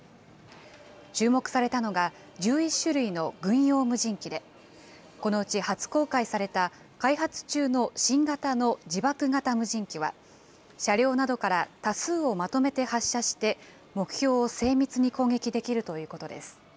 注目されたのが、１１種類の軍用無人機で、このうち初公開された開発中の新型の自爆型無人機は、車両などから多数をまとめて発射して、目標を精密に攻撃できるということです。